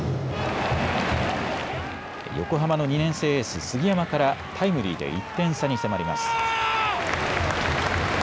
横浜の２年生エース、杉山からタイムリーで１点差に迫ります。